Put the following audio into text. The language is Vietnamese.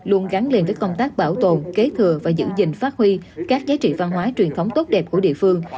luôn gắn liền với công tác bảo tồn kế thừa và giữ gìn phát huy các giá trị văn hóa truyền thống tốt đẹp của địa phương